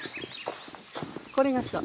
これがそう。